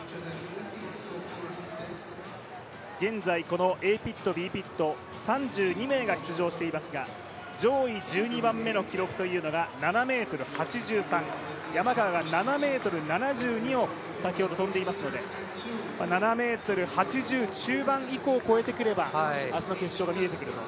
現在、このＡピット、Ｂピット３２名が出場していますが上位１２番目の記録というのが、７ｍ８３、山川が７ｍ７２を先ほど跳んでいますので７ｍ８０中盤以降を超えてくれば明日の決勝が見えてくると。